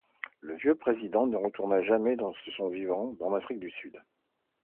Le vieux président ne retourna jamais de son vivant en Afrique du Sud.